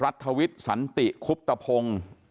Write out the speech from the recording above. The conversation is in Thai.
ทวิทย์สันติคุบตะพงศ์